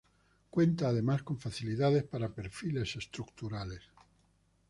Cuenta además con facilidades para perfiles estructurales.